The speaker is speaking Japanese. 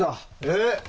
えっ？